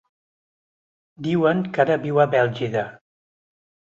Diuen que ara viu a Bèlgida.